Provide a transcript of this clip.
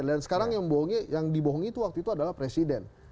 dan sekarang yang dibohongi waktu itu adalah presiden